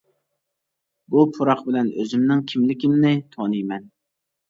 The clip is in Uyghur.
بۇ پۇراق بىلەن ئۆزۈمنىڭ كىملىكىمنى تونۇيمەن.